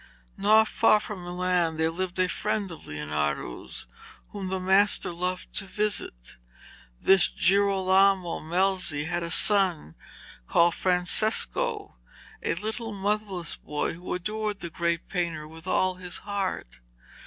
Not far from Milan there lived a friend of Leonardo's, whom the master loved to visit. This Girolamo Melzi had a son called Francesco, a little motherless boy, who adored the great painter with all his heart.